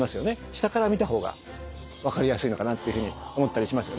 下から見た方が分かりやすいのかなというふうに思ったりしますよね。